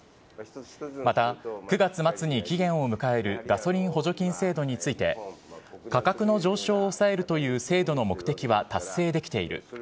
また９月末に期限を迎えるガソリン補助金制度について、価格の上昇を抑えるという制度の目的は達成できている。